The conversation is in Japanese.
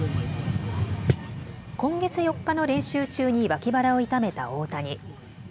今月４日の練習中に脇腹を痛めた大谷。